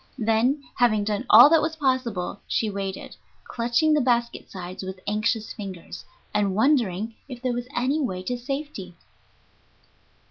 Then, having done all that was possible, she waited, clutching the basket sides with anxious fingers, and wondering if there was any way to safety.